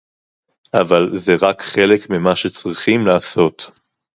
אבל זה רק חלק ממה שצריכים לעשות